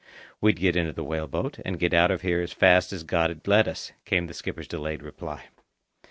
"We'd get into the whale boat, and get out of here as fast as God'd let us," came the skipper's delayed reply.